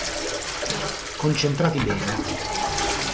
Concentrati bene.